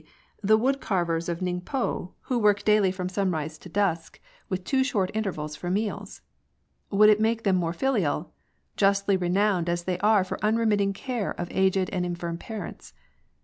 (7., the wood carvers of Ningpo who work N 194 CHRISTIANITY. daily from sunrise to dusk, with two short intervals for meals ? Would it make them more filial ?— justly renowned as they are for unremitting care of aged and infirm parents.